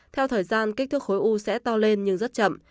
theo thời gian kích thước khối u sẽ to lên nhưng rất chậm